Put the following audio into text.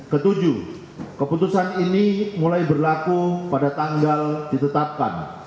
ketujuh keputusan ini mulai berlaku pada tanggal ditetapkan